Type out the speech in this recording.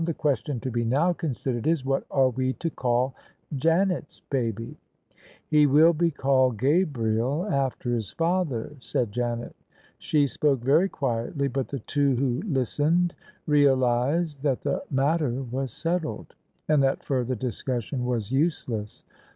" The question to be now considered is, what are we to call Janet's baby? "" He will be called Gabriel after his father," said Janet. She spoke very quietly, but the two who listened realised that the matter was settled and that further discussion was useless.